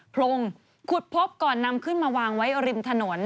พรงขุดพบก่อนนำขึ้นมาวางไว้ริมถนน